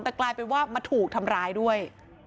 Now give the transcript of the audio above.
แต่กลายเป็นว่ามาถูกทำร้ายด้วย